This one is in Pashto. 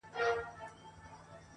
زما په خيال هري انجلۍ ته گوره.